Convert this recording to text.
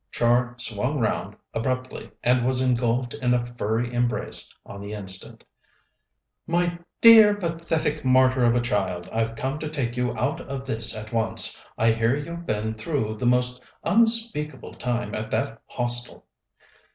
Char swung round abruptly, and was engulfed in a furry embrace on the instant. "My dear, pathetic martyr of a child! I've come to take you out of this at once. I hear you've been through the most unspeakable time at that Hostel!"